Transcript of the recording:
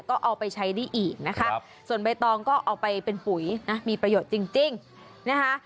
ก็เอาไปใช้ได้อีกนะคะส่วนใบตองก็เอาไปเป็นปุ๋ยนะมีประโยชน์จริงนะคะ